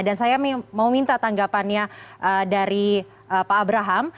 dan saya mau minta tanggapannya dari pak abraham